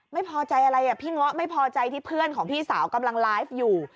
ไม่พอใจอะไรอ่ะพี่เงาะไม่พอใจที่เพื่อนของพี่สาวกำลังไลฟ์อยู่